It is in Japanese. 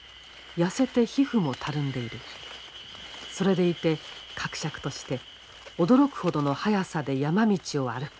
それでいてかくしゃくとして驚くほどのはやさで山道を歩く。